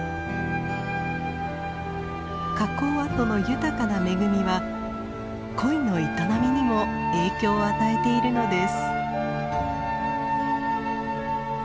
火口跡の豊かな恵みは恋の営みにも影響を与えているのです。